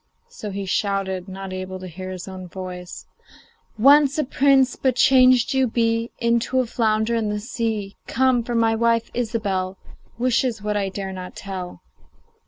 So he shouted, not able to hear his own voice: 'Once a prince, but changed you be Into a flounder in the sea. Come! for my wife, Ilsebel, Wishes what I dare not tell.